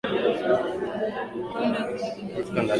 huenda juhudi za kupambana na ugonjwa huo sikaambulia patupu